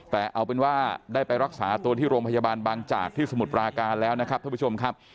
แต่เอาเป็นว่าได้ไปรักษาตัวที่โรงพยาบาลบางจากที่สมุทรปราการแล้วนะครับท่านผู้ชมครับ